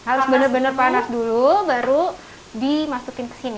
harus benar benar panas dulu baru dimasukin ke sini